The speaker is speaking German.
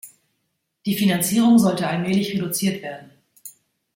Die Finanzierung sollte allmählich reduziert werden.